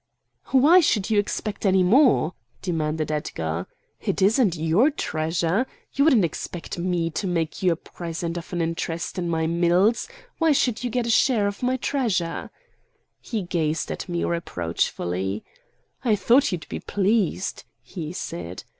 "Why should you expect any more?" demanded Edgar. "It isn't your treasure. You wouldn't expect me to make you a present of an interest in my mills; why should you get a share of my treasure?" He gazed at me reproachfully. "I thought you'd be pleased," he said.